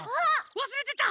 わすれてた！